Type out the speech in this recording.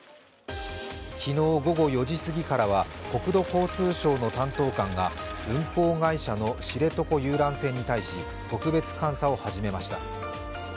昨日午後４時過ぎからは、国土交通省の担当官が運航会社の知床遊覧船に対し、特別監査を始めました。